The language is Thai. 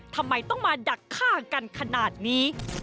ทำไมต้องมาดักฆ่ากันขนาดนี้